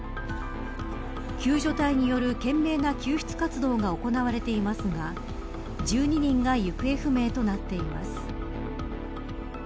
救助隊による懸命な救出活動が行われていますが１２人が行方不明となっています。